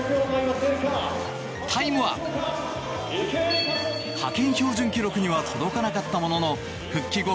タイムは派遣標準記録には届かなかったものの復帰後